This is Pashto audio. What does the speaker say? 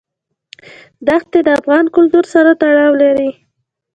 ښتې د افغان کلتور سره تړاو لري.